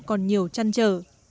còn nhiều chăn trở